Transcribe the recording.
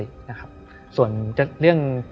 เพื่อที่จะให้แก้วเนี่ยหลอกลวงเค